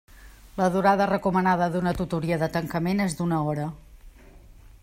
La durada recomanada d'una tutoria de tancament és d'una hora.